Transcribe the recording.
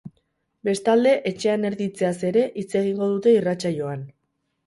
Bestalde, etxean erditzeaz ere hitz egingo dute irratsaioan.